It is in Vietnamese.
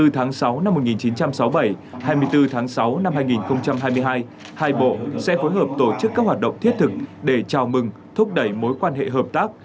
hai mươi tháng sáu năm một nghìn chín trăm sáu mươi bảy hai mươi bốn tháng sáu năm hai nghìn hai mươi hai hai bộ sẽ phối hợp tổ chức các hoạt động thiết thực để chào mừng thúc đẩy mối quan hệ hợp tác